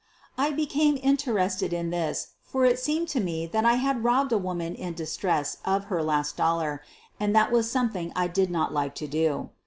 I became in terested in this, for it seemed to me that I had robbed a woman in distress of her last dollar, and that was something I did not like to do.